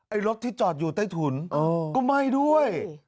รถที่จอดอยู่ใต้ถุนก็ไหม้ด้วย